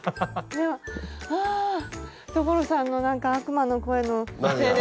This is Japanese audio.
いやあ所さんのなんか悪魔の声のせいで。